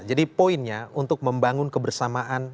jadi poinnya untuk membangun kebersamaan